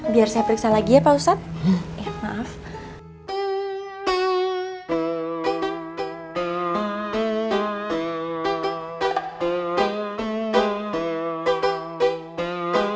biar saya periksa lagi ya pak ustadz